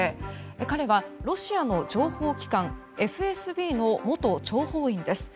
彼はロシアの情報機関ＦＳＢの元諜報員です。